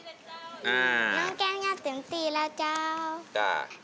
น้องแก้มอยากเต็มตีแล้วจ้าว